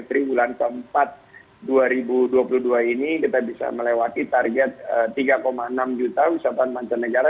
tribulan keempat dua ribu dua puluh dua ini kita bisa melewati target tiga enam juta wisatawan mancanegara